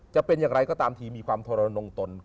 จะเป็นอย่างไรก็ตามทีมีความทรนงตน